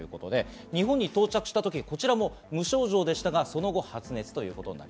日本に到着したとき無症状でしたが、その後、発熱です。